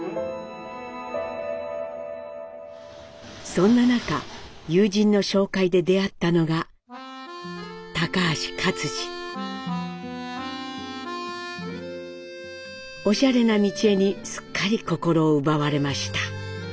そんな中友人の紹介で出会ったのがおしゃれな美智榮にすっかり心を奪われました。